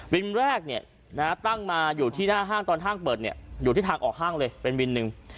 แรกตั้งมาอยู่ที่หน้าห้างตอนห้างเปิดเนี่ยอยู่ที่ทางออกห้างเลยเป็นวินหนึ่ง